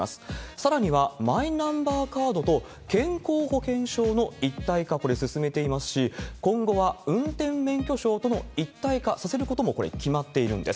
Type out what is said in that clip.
さらには、マイナンバーカードと健康保険証の一体化、これ、進めていますし、今後は運転免許証との一体化させることも、これ、決まっているんです。